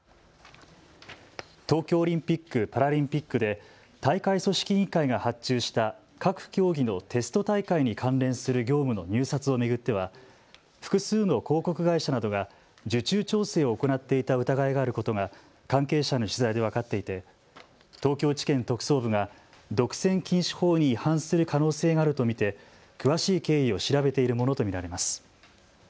東京オリンピック・パラリンピックで大会組織委員会が発注した各競技のテスト大会に関連する業務の入札を巡っては複数の広告会社などが受注調整を行っていた疑いがあることが関係者への取材で分かっていて東京地検特捜部が独占禁止法に違反する可能性があると見て詳しい経緯を調べているものと見られます。